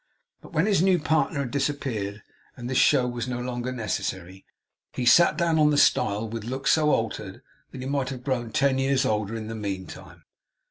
But when his new partner had disappeared, and this show was no longer necessary, he sat down on the stile with looks so altered, that he might have grown ten years older in the meantime.